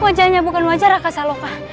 wajahnya bukan wajah raka saloka